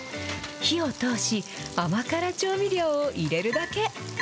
火を通し、甘辛調味料を入れるだけ。